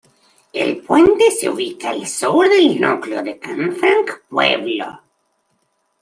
El puente se ubica al sur del núcleo de Canfranc Pueblo.